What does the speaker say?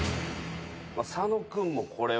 佐野君もこれはね。